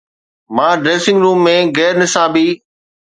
مان dressing room ۾ غير نصابي